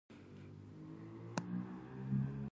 سنگ مرمر د افغانستان د دوامداره پرمختګ لپاره اړین دي.